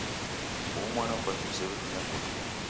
Uhu mwana kwakii usew'efunya kofia?